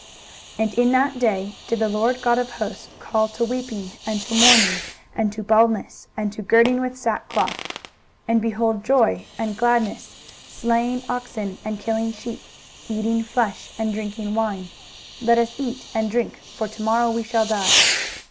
23:022:012 And in that day did the Lord GOD of hosts call to weeping, and to mourning, and to baldness, and to girding with sackcloth: 23:022:013 And behold joy and gladness, slaying oxen, and killing sheep, eating flesh, and drinking wine: let us eat and drink; for to morrow we shall die.